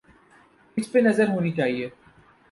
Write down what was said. اس پہ نظر ہونی چاہیے۔